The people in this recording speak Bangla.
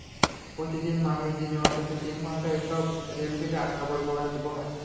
প্রতিদিন মানুষ দিনে অন্তত তিন ঘণ্টা এসব রেলগেটে আটকা পড়ে ভোগান্তি পোহায়।